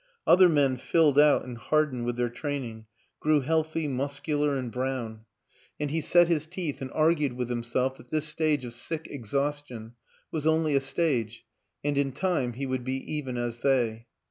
Other men filled out and hardened with their training, grew healthy, muscular and brown and he set his WILLIAM AN ENGLISHMAN 241 teeth and argued with himself that this stage of sick exhaustion was only a stage and in time he would be even as they.